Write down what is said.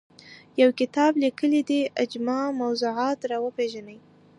یو کتاب لیکلی دی اجماع موضوعات راوپېژني